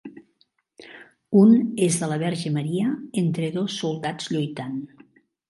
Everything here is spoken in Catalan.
Un és de la Verge Maria entre dos soldats lluitant.